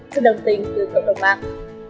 sự đồng tình từ cộng đồng mạng